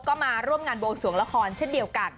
ก็มาร่วมงานบวงสวงละครเช่นเดียวกัน